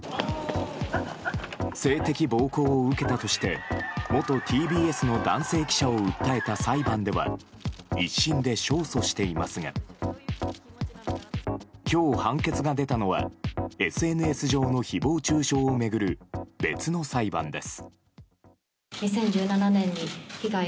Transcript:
性的暴行を受けたとして元ＴＢＳの男性記者を訴えた裁判では１審で勝訴していますが今日、判決が出たのはＳＮＳ上の誹謗中傷を巡る別の裁判です。